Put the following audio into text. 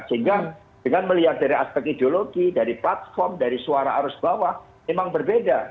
sehingga dengan melihat dari aspek ideologi dari platform dari suara arus bawah memang berbeda